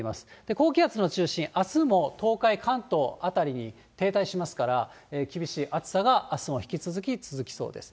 高気圧の中心、あすも東海、関東辺りに停滞しますから、厳しい暑さがあすも引き続き続きそうです。